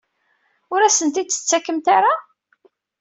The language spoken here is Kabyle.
Ur asen-t-id-tettakemt ara?